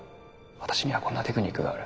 「私にはこんなテクニックがある」